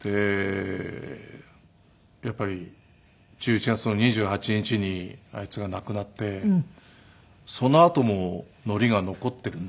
やっぱり１１月の２８日にあいつが亡くなってそのあとも海苔が残っているんですよ。